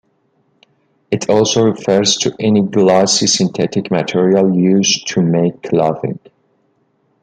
It also refers to any glossy synthetic material used to make clothing.